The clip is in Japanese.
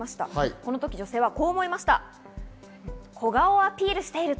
この時、女性はこう思いました。